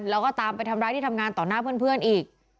แล้วก็ตามไปทำร้ายที่ทำงานต่อหน้าเพื่อนอีก